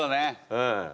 うん。